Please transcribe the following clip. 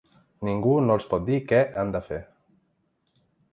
Ningú no els pot dir què han de fer.